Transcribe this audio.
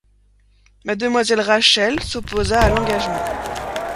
Mademoiselle Rachel s'opposa à l'engagement.